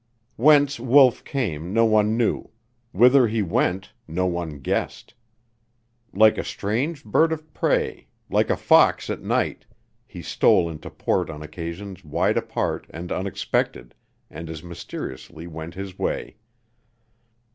Whence Wolf came no one knew; whither he went, no one guessed. Like a strange bird of prey, like a fox at night, he stole into port on occasions wide apart and unexpected, and as mysteriously went his way.